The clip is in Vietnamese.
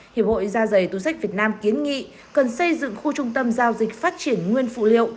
hiệp hội da dày túi sách việt nam kiến nghị cần xây dựng khu trung tâm giao dịch phát triển nguyên phụ liệu